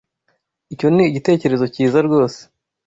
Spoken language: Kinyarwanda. Icyo ni igitekerezo cyiza rwose.